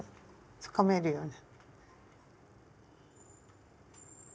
つかめるように。